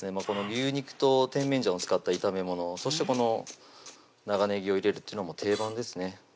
この牛肉と甜麺醤を使った炒めものそしてこの長ねぎを入れるっていうのも定番ですね